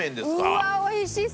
うわっおいしそう！